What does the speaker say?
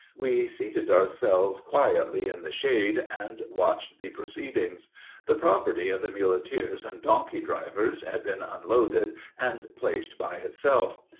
We seated ourselves quietly in the shade, and watched the proceedings. The property of the muleteers and donkey drivers had been unloaded and placed by itself.